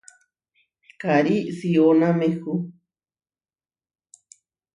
Karí siʼónamehu.